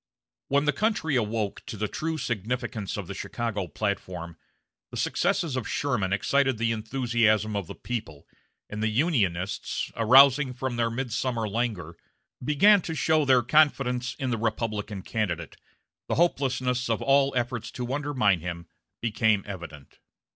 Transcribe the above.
When the country awoke to the true significance of the Chicago platform, the successes of Sherman excited the enthusiasm of the people, and the Unionists, arousing from their midsummer languor, began to show their confidence in the Republican candidate, the hopelessness of all efforts to undermine him became evident.